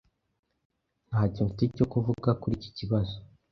Ntacyo mfite cyo kuvuga kuri iki kibazo.